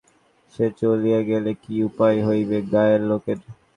সে চলিয়া গেলে কী উপায় হইবে গায়ের লোকের?